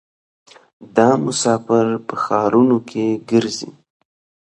دا مسافر په ښارونو کې ګرځي.